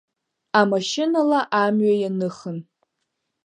Амашьынала амҩа ианыхын.